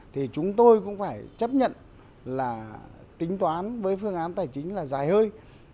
thì chúng tôi cũng phải chấp nhận là tính toán với phương án tài chính là dài hơi